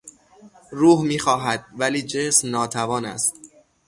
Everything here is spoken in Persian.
روح میخواهد ولی جسم ناتوان است.